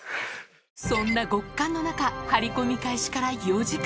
そんな極寒の中、張り込み開始から４時間。